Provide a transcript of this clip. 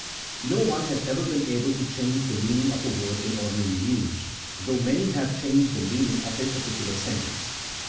No one has ever been able to change the meaning of a word in ordinary use, though many have changed the mean ing of a particular sentence.